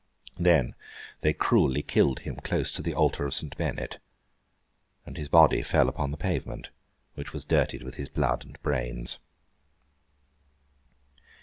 Then they cruelly killed him close to the altar of St. Bennet; and his body fell upon the pavement, which was dirtied with his blood and brains.